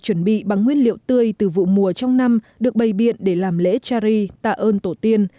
chuẩn bị bằng nguyên liệu tươi từ vụ mùa trong năm được bày biện để làm lễ chari tạ ơn tổ tiên